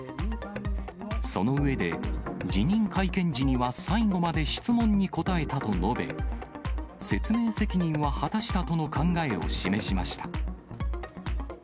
その上で、辞任会見時には最後まで質問に答えたと述べ、説明責任は果たしたとの考えを示しました。